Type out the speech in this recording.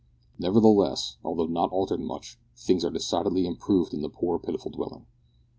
Nevertheless, although not altered much, things are decidedly improved in the poor pitiful dwelling.